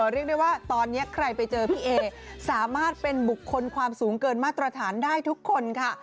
เรียกได้ว่าตอนนี้ใครไปเจอพี่เอสามารถเป็นบุคคลความสูงเกินมาตรฐานได้ทุกคนค่ะ